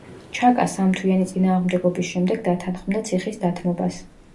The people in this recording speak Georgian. ჩაკა სამ თვიანი წინააღმდეგობის შემდეგ დათანხმდა ციხის დათმობას.